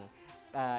oke terima kasih